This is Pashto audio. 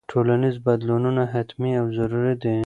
ټولنیز بدلونونه حتمي او ضروري دي.